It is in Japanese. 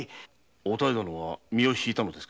お妙殿は身をひいたのですか？